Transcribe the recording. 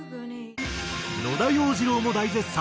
野田洋次郎も大絶賛。